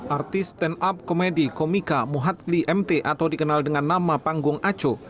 artis stand up komedi komika muhadli mt atau dikenal dengan nama panggung aco